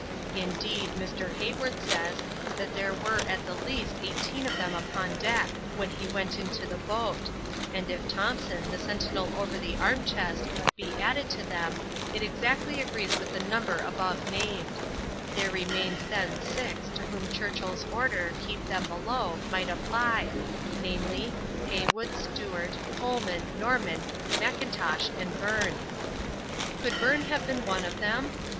Indeed, Mr. Hayward says, that there were at the least eighteen of them upon deck, when he went into the boat; and if Thompson, the sentinel over the arm chest, be added to them, it exactly agrees with the number above named; there remains then six, to whom Churchill's order, "keep them below," might apply, namely, Heywood, Stewart, Coleman, Norman, M'Intosh, and Byrne. 'Could Byrne have been one of them?